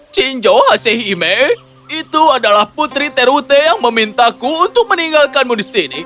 chinjo hasehime itu adalah putri terute yang memintaku untuk meninggalkanmu di sini